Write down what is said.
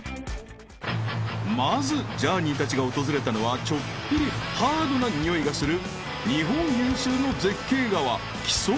［まずジャーニーたちが訪れたのはちょっぴりハードなにおいがする］